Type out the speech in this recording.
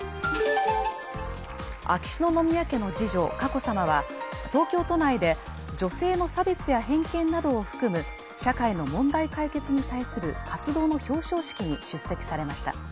秋篠宮家の次女・佳子さまは東京都内で女性の差別や偏見などを含む社会の問題解決に対する活動の表彰式に出席されました。